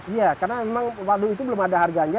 iya karena memang waktu itu belum ada harganya